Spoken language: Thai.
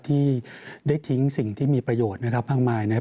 ที่ได้ทิ้งสิ่งที่มีประโยชน์นะครับมากมายนะครับ